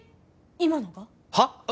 今のが？は？